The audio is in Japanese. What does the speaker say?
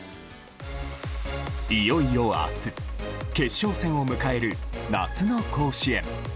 いよいよ明日、決勝戦を迎える夏の甲子園。